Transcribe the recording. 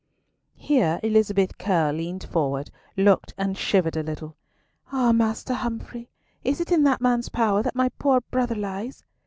Here Elizabeth Curll leant forward, looked, and shivered a little. "Ah, Master Humfrey, is it in that man's power that my poor brother lies?"